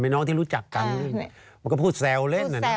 เมน้องที่รู้จักกันแล้วก็พูดแซลเล่น